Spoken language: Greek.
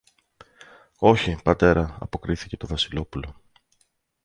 Όχι, πατέρα, αποκρίθηκε το Βασιλόπουλο.